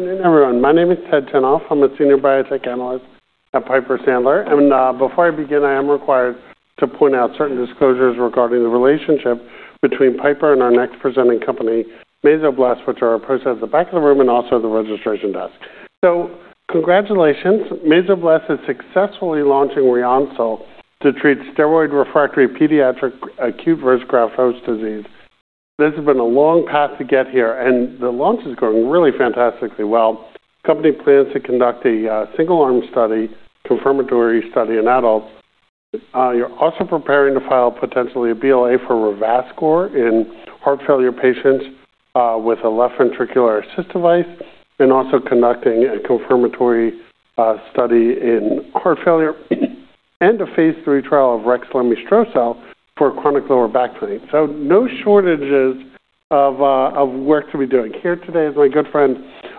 Good evening, everyone. My name is Ted Tenthoff. I'm a senior biotech analyst at Piper Sandler, and before I begin, I am required to point out certain disclosures regarding the relationship between Piper and our next presenting company, Mesoblast, which are our products at the back of the room and also the registration desk. So congratulations. Mesoblast is successfully launching Ryoncil to treat steroid-refractory pediatric acute graft-versus-host disease. This has been a long path to get here, and the launch is going really fantastically well. The company plans to conduct a single-arm study, confirmatory study in adults. You're also preparing to file potentially a BLA for Revascor in heart failure patients with a left ventricular assist device, and also conducting a confirmatory study in heart failure and Phase Iii trial of rexlemestrocel-L for chronic lower back pain. So no shortages of work to be doing. Here today is my good friend,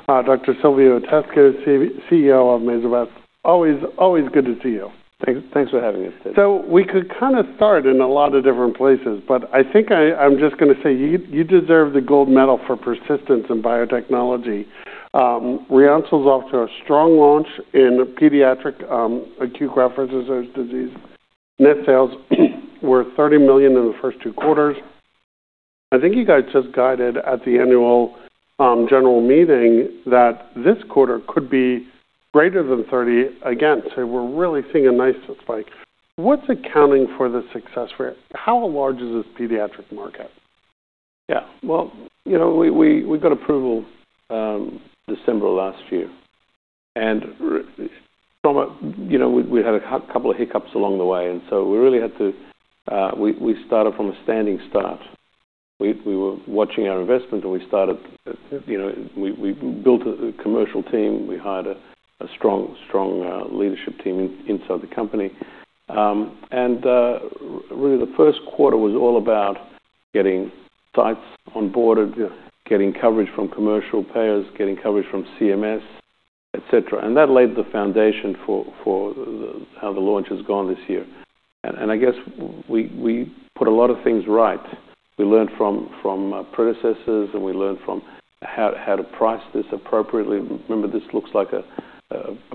Dr. Silviu Itescu, CEO of Mesoblast. Always, always good to see you. Thanks for having us today. So we could kind of start in a lot of different places, but I think I'm just going to say you deserve the gold medal for persistence in biotechnology. Ryoncil is off to a strong launch in pediatric acute aGVHD. Net sales were $30 million in the first two quarters. I think you guys just guided at the annual general meeting that this quarter could be greater than $30 million again. So we're really seeing a nice spike. What's accounting for the success rate? How large is this pediatric market? Yeah. Well, you know, we got approval in December last year. And we had a couple of hiccups along the way. And so we really had to. We started from a standing start. We were watching our investment, and we started. We built a commercial team. We hired a strong, strong leadership team inside the company. And really, the first quarter was all about getting sites on board, getting coverage from commercial payers, getting coverage from CMS, et cetera. And that laid the foundation for how the launch has gone this year. And I guess we put a lot of things right. We learned from predecessors, and we learned from how to price this appropriately. Remember, this looks like a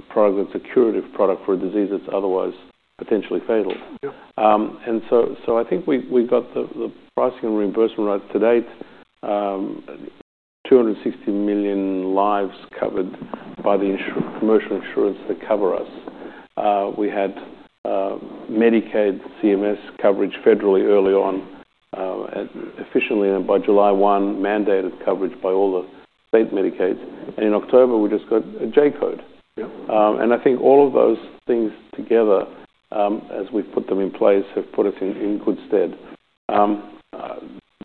product that's a curative product for a disease that's otherwise potentially fatal. And so I think we got the pricing and reimbursement right to date. 260 million lives covered by the commercial insurance that cover us. We had Medicaid CMS coverage federally early on, efficiently, and by July 1, mandated coverage by all the state Medicaids. In October, we just got a J-code. I think all of those things together, as we've put them in place, have put us in good stead.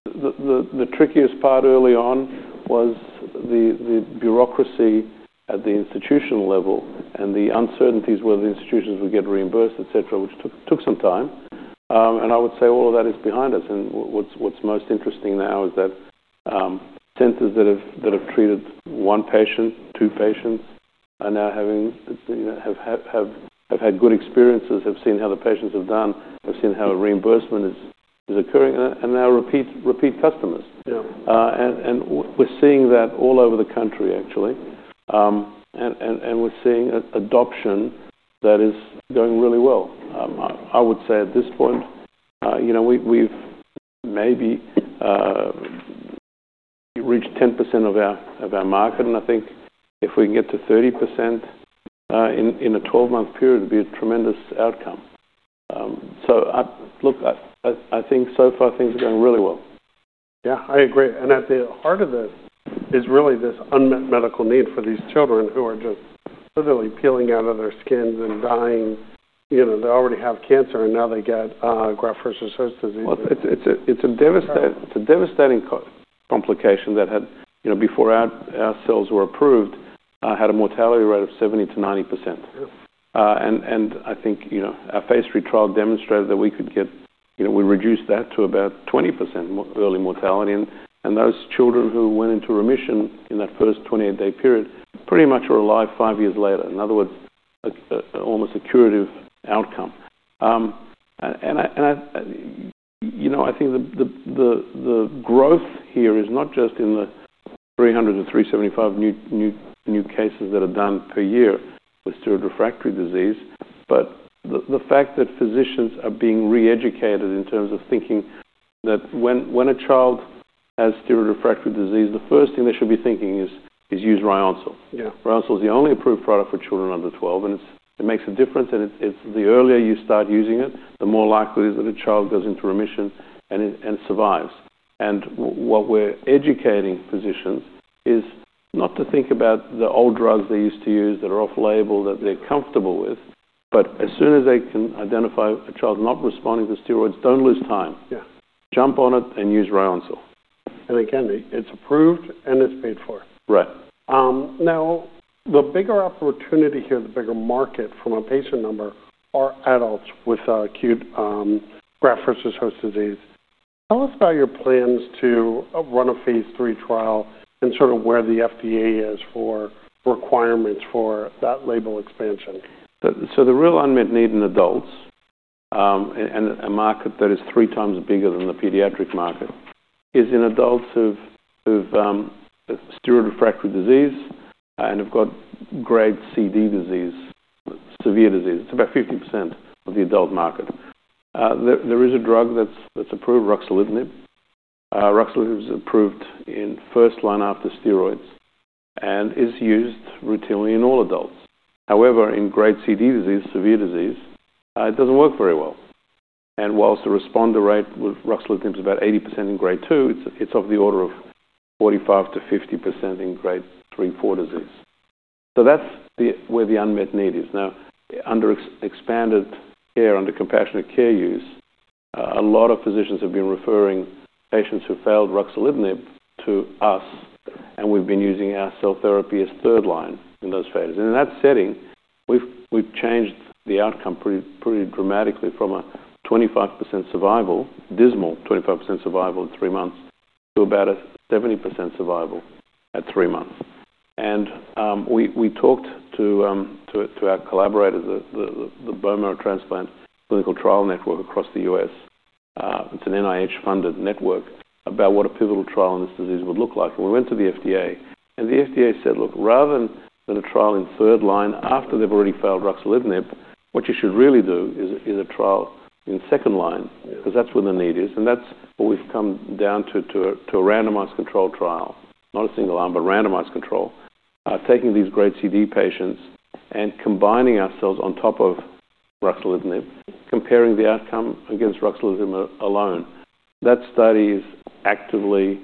The trickiest part early on was the bureaucracy at the institutional level and the uncertainties whether the institutions would get reimbursed, et cetera, which took some time. I would say all of that is behind us. What's most interesting now is that centers that have treated one patient, two patients, are now having had good experiences, have seen how the patients have done, have seen how reimbursement is occurring, and now repeat customers. We're seeing that all over the country, actually. We're seeing adoption that is going really well. I would say at this point, you know, we've maybe reached 10% of our market. I think if we can get to 30% in a 12-month period, it would be a tremendous outcome. Look, I think so far things are going really well. Yeah, I agree. And at the heart of this is really this unmet medical need for these children who are just literally peeling out of their skins and dying. You know, they already have cancer, and now they get graft-versus-host disease. It's a devastating complication that had, you know, before our cells were approved, had a mortality rate of 70%-90%. And I think, you know, Phase Iii trial demonstrated that we could get, you know, we reduced that to about 20% early mortality. And those children who went into remission in that first 28-day period pretty much were alive five years later. In other words, almost a curative outcome. And I, you know, I think the growth here is not just in the 300-375 new cases that are done per year with steroid-refractory disease, but the fact that physicians are being re-educated in terms of thinking that when a child has steroid-refractory disease, the first thing they should be thinking is use Ryoncil. Ryoncil is the only approved product for children under 12. And it makes a difference. The earlier you start using it, the more likely it is that a child goes into remission and survives. What we're educating physicians is not to think about the old drugs they used to use that are off-label that they're comfortable with, but as soon as they can identify a child not responding to steroids, don't lose time. Jump on it and use Ryoncil. And it can be. It's approved and it's paid for. Right. Now, the bigger opportunity here, the bigger market from a patient number are adults with acute graft-versus-host disease. Tell us about your plans to run Phase Iii trial and sort of where the FDA is for requirements for that label expansion. The real unmet need in adults and a market that is three times bigger than the pediatric market is in adults who've steroid-refractory disease and have got Grade C-D disease, severe disease. It's about 50% of the adult market. There is a drug that's approved, ruxolitinib. ruxolitinib is approved in first line after steroids and is used routinely in all adults. However, in Grade C-D disease, severe disease, it doesn't work very well. And while the responder rate with ruxolitinib is about 80% in Grade II, it's of the order of 45%-50% Grade III, IV disease. That's where the unmet need is. Now, under expanded access, under compassionate use, a lot of physicians have been referring patients who failed ruxolitinib to us. And we've been using our cell therapy as third line in those cases. In that setting, we've changed the outcome pretty dramatically from a 25% survival, dismal 25% survival in three months, to about a 70% survival at three months. We talked to our collaborators, the Bone Marrow Transplant Clinical Trial Network across the US. It's an NIH-funded network about what a pivotal trial in this disease would look like. We went to the FDA. The FDA said, look, rather than a trial in third line after they've already failed ruxolitinib, what you should really do is a trial in second line because that's where the need is. That's what we've come down to, to a randomized controlled trial, not a single line, but randomized controlled, these Grade C and D patients and combining our cells on top of ruxolitinib, comparing the outcome against ruxolitinib alone. That study is actively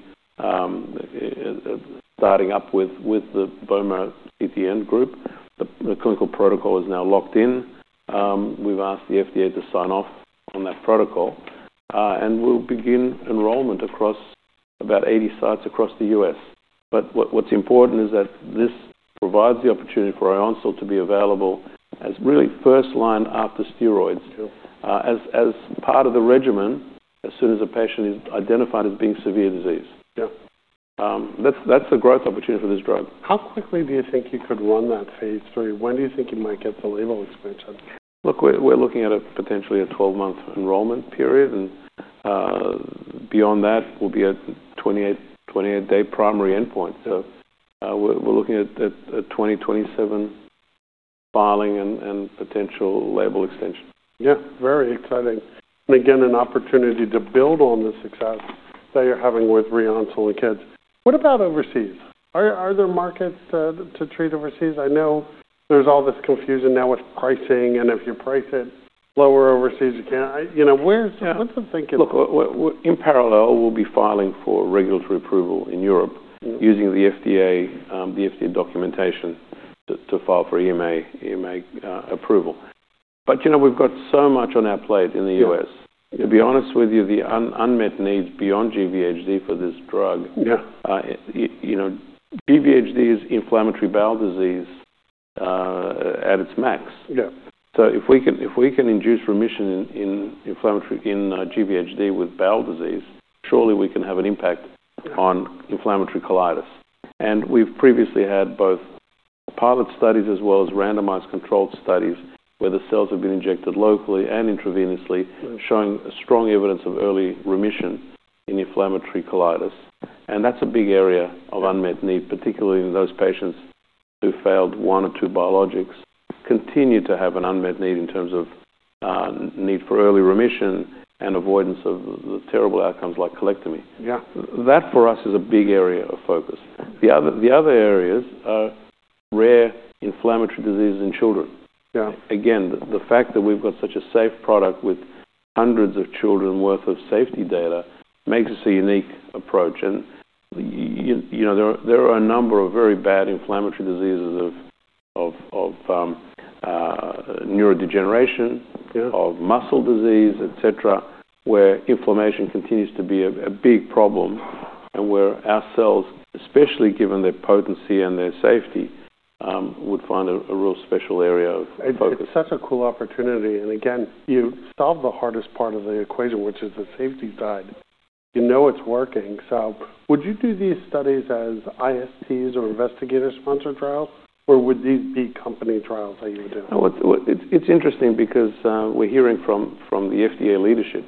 starting up with the Bone Marrow CTN group. The clinical protocol is now locked in. We've asked the FDA to sign off on that protocol. And we'll begin enrollment across about 80 sites across the U.S. But what's important is that this provides the opportunity for Ryoncil to be available as really first line after steroids as part of the regimen as soon as a patient is identified as being severe disease. That's the growth opportunity for this drug. How quickly do you think you could run Phase Iii? when do you think you might get the label expansion? Look, we're looking at potentially a 12-month enrollment period, and beyond that, we'll be at 28-day primary endpoint, so we're looking at 2027 filing and potential label extension. Yeah, very exciting. And again, an opportunity to build on the success that you're having with Ryoncil and kids. What about overseas? Are there markets to treat overseas? I know there's all this confusion now with pricing. And if you price it lower overseas, you can't. You know, what's the thinking? Look, in parallel, we'll be filing for regulatory approval in Europe using the FDA, the FDA documentation to file for EMA approval. But you know, we've got so much on our plate in the US. To be honest with you, the unmet needs beyond GVHD for this drug, you know, GVHD is inflammatory bowel disease at its max. So if we can induce remission in inflammatory GVHD with bowel disease, surely we can have an impact on inflammatory colitis. And we've previously had both pilot studies as well as randomized controlled studies where the cells have been injected locally and intravenously, showing strong evidence of early remission in inflammatory colitis. And that's a big area of unmet need, particularly in those patients who failed one or two biologics, continue to have an unmet need in terms of need for early remission and avoidance of the terrible outcomes like colectomy. That for us is a big area of focus. The other areas are rare inflammatory diseases in children. Again, the fact that we've got such a safe product with hundreds of children's worth of safety data makes us a unique approach. And you know, there are a number of very bad inflammatory diseases of neurodegeneration, of muscle disease, et cetera, where inflammation continues to be a big problem and where our cells, especially given their potency and their safety, would find a real special area of focus. It's such a cool opportunity. And again, you solved the hardest part of the equation, which is the safety side. You know it's working. So would you do these studies as ISTs or investigator-sponsored trials, or would these be company trials that you would do? It's interesting because we're hearing from the FDA leadership,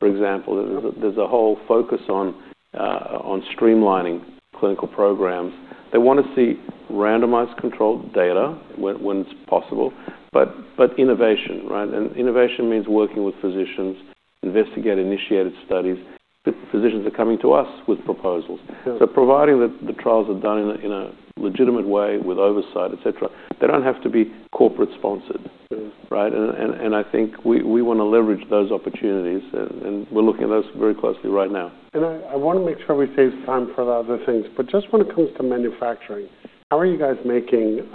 for example. There's a whole focus on streamlining clinical programs. They want to see randomized controlled data when it's possible, but innovation, right? And innovation means working with physicians, investigator-initiated studies. Physicians are coming to us with proposals. So providing that the trials are done in a legitimate way with oversight, et cetera, et cetera, they don't have to be corporate-sponsored, right? And I think we want to leverage those opportunities. And we're looking at those very closely right now. I want to make sure we save time for the other things. Just when it comes to manufacturing, how are you guys making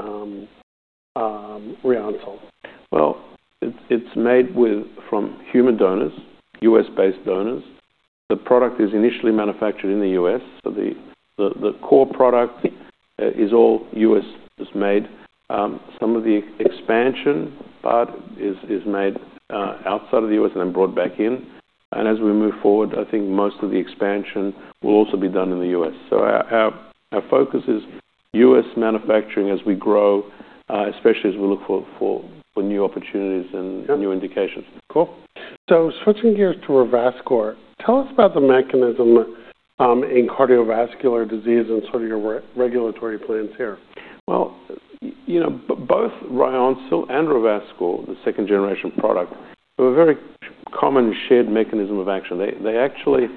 Ryoncil? It's made from human donors, U.S.-based donors. The product is initially manufactured in the U.S. The core product is all U.S.-made. Some of the expansion part is made outside of the U.S. and then brought back in. As we move forward, I think most of the expansion will also be done in the U.S. Our focus is U.S. manufacturing as we grow, especially as we look for new opportunities and new indications. Cool. So switching gears to Revascor, tell us about the mechanism in cardiovascular disease and sort of your regulatory plans here. You know, both Ryoncil and Revascor, the second-generation product, have a very common shared mechanism of action. They actually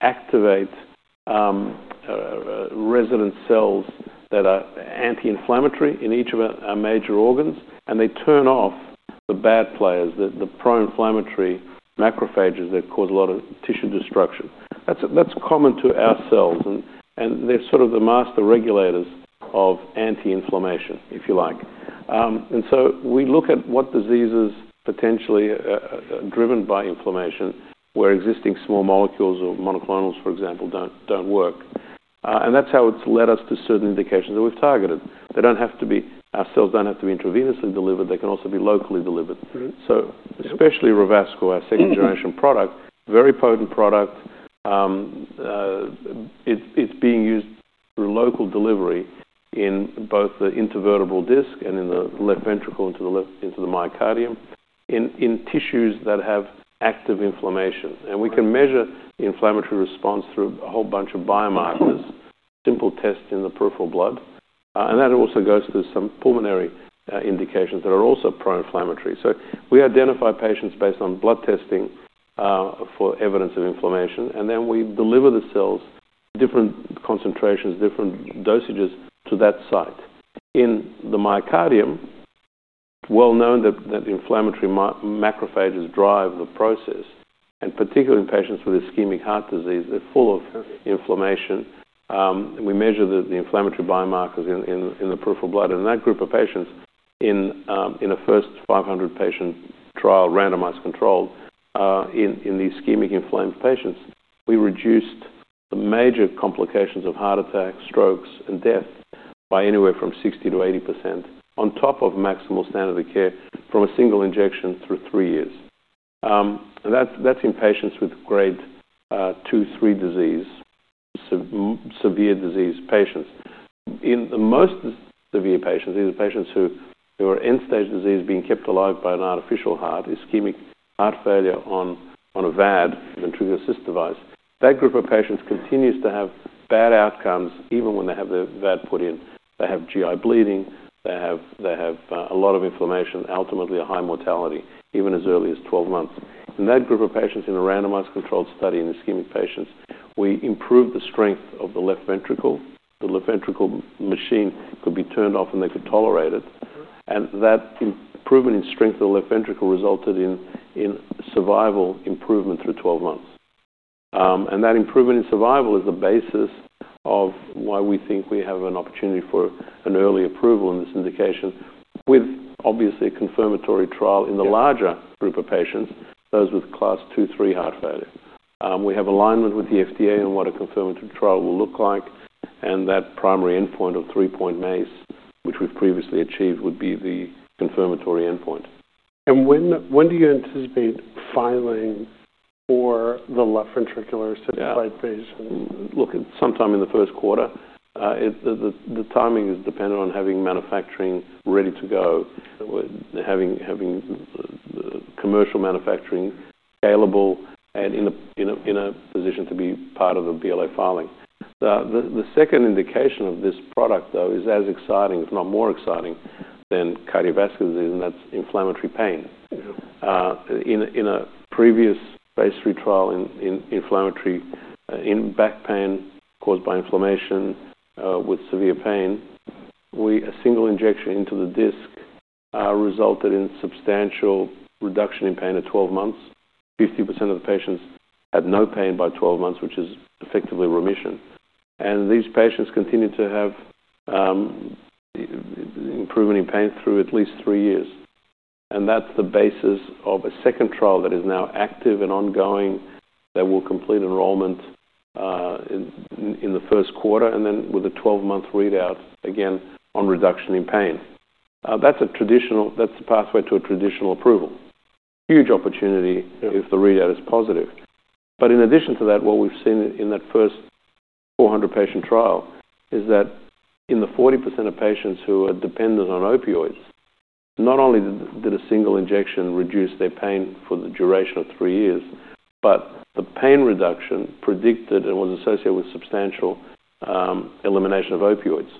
activate resident cells that are anti-inflammatory in each of our major organs. And they turn off the bad players, the pro-inflammatory macrophages that cause a lot of tissue destruction. That's common to our cells. And they're sort of the master regulators of anti-inflammation, if you like. And so we look at what diseases potentially are driven by inflammation where existing small molecules or monoclonals, for example, don't work. And that's how it's led us to certain indications that we've targeted. They don't have to be. Our cells don't have to be intravenously delivered. They can also be locally delivered. So especially Revascor, our second-generation product, very potent product. It's being used through local delivery in both the intervertebral disc and in the left ventricle into the myocardium in tissues that have active inflammation. And we can measure inflammatory response through a whole bunch of biomarkers, simple tests in the peripheral blood. And that also goes through some pulmonary indications that are also pro-inflammatory. So we identify patients based on blood testing for evidence of inflammation. And then we deliver the cells different concentrations, different dosages to that site. In the myocardium, it's well known that inflammatory macrophages drive the process. And particularly in patients with ischemic heart disease, they're full of inflammation. We measure the inflammatory biomarkers in the peripheral blood. In that group of patients, in a first 500-patient trial, randomized controlled, in the ischemic inflamed patients, we reduced the major complications of heart attack, strokes, and death by anywhere from 60%-80% on top of maximal standard of care from a single injection through three years. That's in patients Grade II, III disease, severe disease patients. In the most severe patients, these are patients who are end-stage disease being kept alive by an artificial heart, ischemic heart failure on a VAD, ventricular assist device. That group of patients continues to have bad outcomes even when they have their VAD put in. They have GI bleeding. They have a lot of inflammation, ultimately a high mortality even as early as 12 months. In that group of patients in a randomized controlled study in ischemic patients, we improved the strength of the left ventricle. The left ventricle machine could be turned off and they could tolerate it. And that improvement in strength of the left ventricle resulted in survival improvement through 12 months. And that improvement in survival is the basis of why we think we have an opportunity for an early approval in this indication with obviously a confirmatory trial in the larger group of patients, those with Class II, III heart failure. We have alignment with the FDA on what a confirmatory trial will look like. And that primary endpoint of 3-point MACE, which we've previously achieved, would be the confirmatory endpoint. When do you anticipate filing for the left ventricular assist device patients? Look, sometime in the first quarter. The timing is dependent on having manufacturing ready to go, having commercial manufacturing scalable and in a position to be part of the BLA filing. The second indication of this product, though, is as exciting, if not more exciting, than cardiovascular disease, and that's inflammatory pain. In a Phase Iii trial in inflammatory back pain caused by inflammation with severe pain, a single injection into the disc resulted in substantial reduction in pain at 12 months. 50% of the patients had no pain by 12 months, which is effectively remission, and these patients continue to have improvement in pain through at least three years, and that's the basis of a second trial that is now active and ongoing that will complete enrollment in the first quarter and then with a 12-month readout again on reduction in pain. That's a pathway to a traditional approval. Huge opportunity if the readout is positive, but in addition to that, what we've seen in that first 400-patient trial is that in the 40% of patients who are dependent on opioids, not only did a single injection reduce their pain for the duration of three years, but the pain reduction predicted and was associated with substantial elimination of opioids,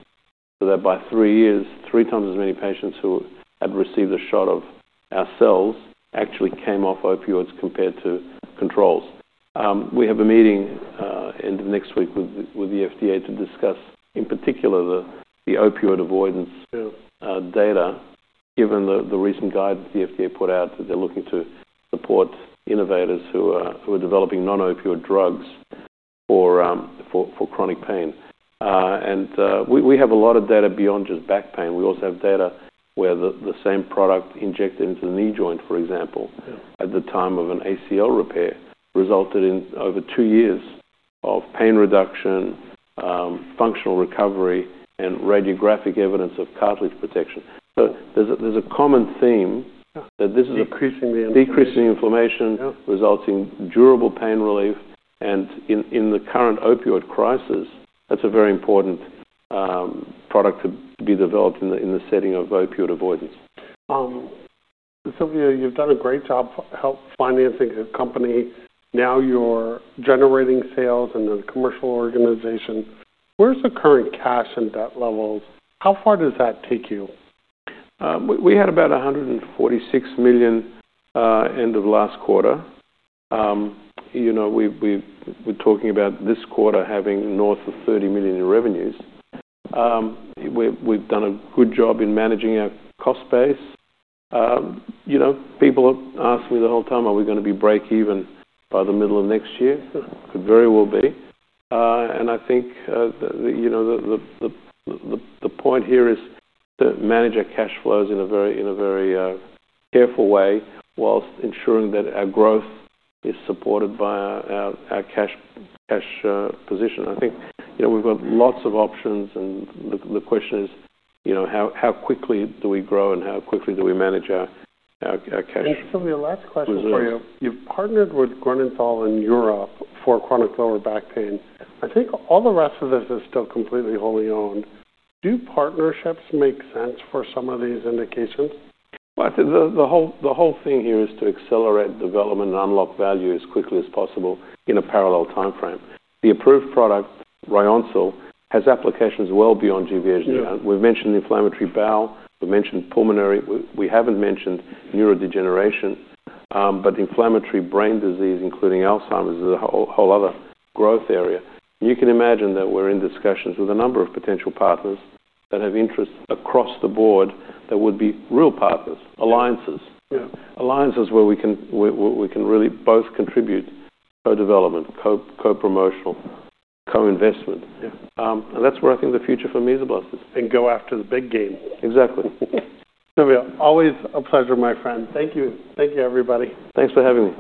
so that by three years, three times as many patients who had received a shot of our cells actually came off opioids compared to controls. We have a meeting next week with the FDA to discuss in particular the opioid avoidance data, given the recent guidance the FDA put out that they're looking to support innovators who are developing non-opioid drugs for chronic pain, and we have a lot of data beyond just back pain. We also have data where the same product injected into the knee joint, for example, at the time of an ACL repair, resulted in over two years of pain reduction, functional recovery, and radiographic evidence of cartilage protection. So there's a common theme that this is decreasing inflammation resulting in durable pain relief. And in the current opioid crisis, that's a very important product to be developed in the setting of opioid avoidance. Silviu, you've done a great job helping financing a company. Now you're generating sales in a commercial organization. Where's the current cash and debt levels? How far does that take you? We had about $146 million end of last quarter. You know, we're talking about this quarter having north of $30 million in revenues. We've done a good job in managing our cost base. You know, people have asked me the whole time, are we going to be break even by the middle of next year? Could very well be. I think, you know, the point here is to manage our cash flows in a very careful way whilst ensuring that our growth is supported by our cash position. I think, you know, we've got lots of options. The question is, you know, how quickly do we grow and how quickly do we manage our cash? Silviu, last question for you. You've partnered with Grünenthal in Europe for chronic lower back pain. I think all the rest of this is still completely wholly owned. Do partnerships make sense for some of these indications? I think the whole thing here is to accelerate development and unlock value as quickly as possible in a parallel timeframe. The approved product, Ryoncil, has applications well beyond GVHD. We've mentioned inflammatory bowel. We've mentioned pulmonary. We haven't mentioned neurodegeneration. But inflammatory brain disease, including Alzheimer's, is a whole other growth area. You can imagine that we're in discussions with a number of potential partners that have interests across the board that would be real partners, alliances. Alliances where we can really both contribute co-development, co-promotion, co-investment. And that's where I think the future for Mesoblast is. Go after the big game. Exactly. Silviu, always a pleasure, my friend. Thank you. Thank you, everybody. Thanks for having me.